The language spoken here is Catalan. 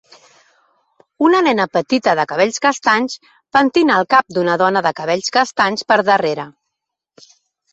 Una nena petita de cabells castanys pentina el cap d'una dona de cabells castanys per darrere.